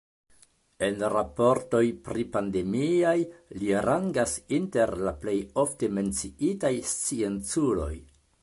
En raportoj pripandemiaj li rangas inter la plej ofte menciitaj scienculoj.